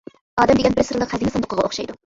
ئادەم دېگەن بىر سىرلىق خەزىنە ساندۇقىغا ئوخشايدۇ.